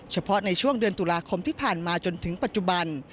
เฉพาะในช่วงเดือนตุลาคมที่ผ่านมาจนถึงปัจจุบัน